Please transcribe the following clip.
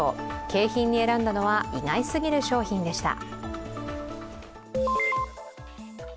景品に選んだのは意外すぎる商品でした。